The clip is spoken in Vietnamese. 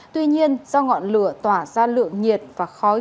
tuy nhiên do ngọn lửa tỏa ra lượng nhiệt và khói